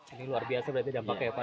ini luar biasa berarti dampaknya ya pak